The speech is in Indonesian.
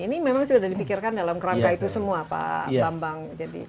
ini memang sudah dipikirkan dalam kerangka itu semua pak bambang